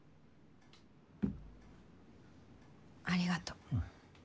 ありがとう。